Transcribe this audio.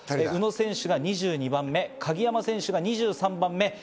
宇野選手が２２番目、鍵山選手が２３番目。